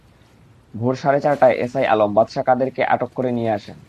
ভোর সাড়ে চারটায় এসআই আলম বাদশা কাদেরকে আটক করে নিয়ে আসেন।